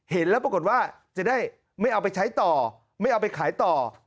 เห็นแล้วปรากฏว่าจะได้ไม่เอาไปใช้ต่อไม่เอาไปขายต่อ